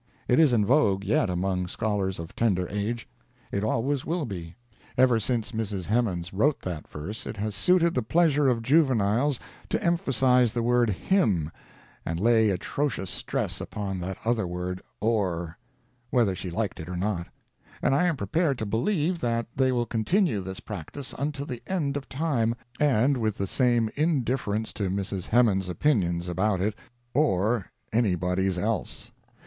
It is in vogue yet among scholars of tender age. It always will be. Ever since Mrs. Hemans wrote that verse, it has suited the pleasure of juveniles to emphasize the word "him," and lay atrocious stress upon that other word "o'er," whether she liked it or not; and I am prepared to believe that they will continue this practice unto the end of time, and with the same indifference to Mrs. Hemans' opinions about it, or any body's else.